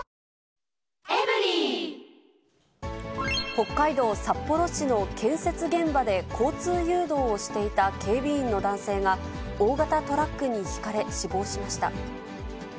北海道札幌市の建設現場で交通誘導をしていた警備員の男性が、大型トラックにひかれ、死亡しました。